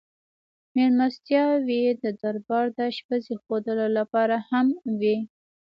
مېلمستیاوې د دربار د اشپزۍ ښودلو لپاره هم وې.